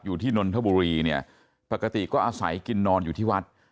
นนทบุรีเนี่ยปกติก็อาศัยกินนอนอยู่ที่วัด